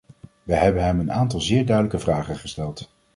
Wij hebben hem een aantal zeer duidelijke vragen gesteld.